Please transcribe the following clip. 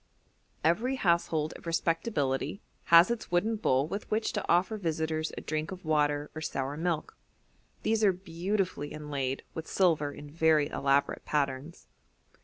Every household of respectability has its wooden bowl with which to offer visitors a drink of water or sour milk; these are beautifully inlaid with silver in very elaborate patterns.